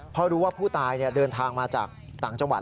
เพราะรู้ว่าผู้ตายเดินทางมาจากต่างจังหวัด